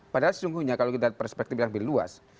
padahal sesungguhnya kalau kita perspektifnya lebih luas